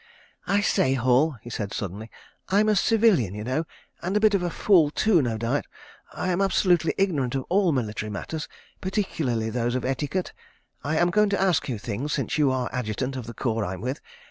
"I say, Hall," he said suddenly, "I'm a civilian, y'know, and a bit of a fool, too, no doubt. I am absolutely ignorant of all military matters, particularly those of etiquette. I am going to ask you things, since you are Adjutant of the corps I'm with.